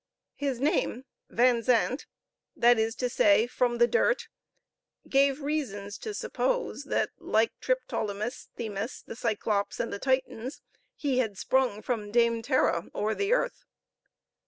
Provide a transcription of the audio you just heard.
His name, Van Zandt that is to say, from the dirt gave reasons to suppose that, like Triptolemus, Themis, the Cyclops, and the Titans, he had sprung from Dame Terra or the Earth!